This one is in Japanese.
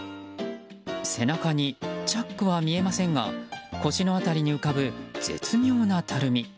背中にチャックは見えませんが腰の辺りに浮かぶ絶妙なたるみ。